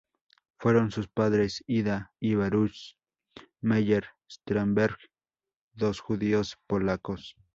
Fueron sus padres Ida y Baruch Meyer Strasberg, dos judíos polacos.